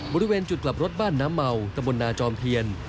บริเวณจุดกลับรถบ้านน้ำเมาตะบนนาจอมเทียน